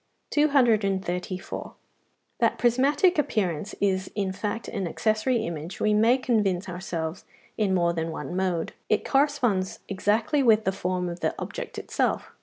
234. That the prismatic appearance is in fact an accessory image we may convince ourselves in more than one mode. It corresponds exactly with the form of the object itself.